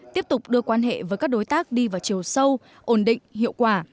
tiếp tục đưa quan hệ với các đối tác đi vào chiều sâu ổn định hiệu quả